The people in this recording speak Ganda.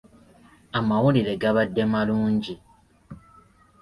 Amawulire gabadde malungi.